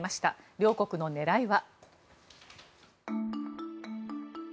両国の狙いは。